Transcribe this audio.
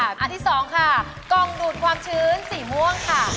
อันที่๒ค่ะกล่องดูดความชื้นสีม่วงค่ะ